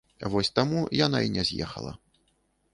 Вось таму яна і не з'ехала.